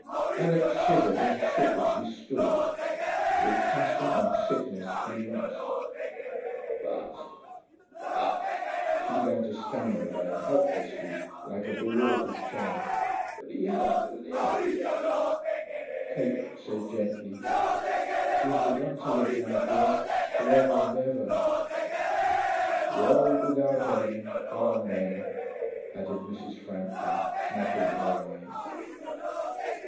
Alix shivered and shook as she stood, with passion and sickness and loss. 'But but ' she began to stammer again, helplessly, like a bewildered child 'But he hadn't lived yet....' Kate said gently, 'He has begun to live now, dear, for ever and ever.' 'World without end, amen,' added Mrs. Frampton, mopping her eyes.